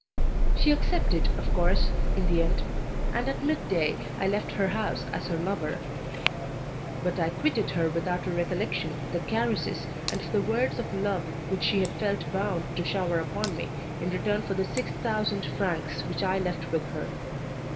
She accepted, of course, in the end, and at midday I left her house as her lover; but I quitted her without a recollection of the caresses and of the words of love which she had felt bound to shower upon me in return for the six thousand francs which I left with her.